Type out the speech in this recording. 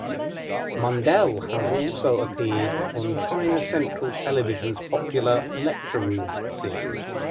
Mundell has also appeared on China Central Television's popular "Lecture Room" series.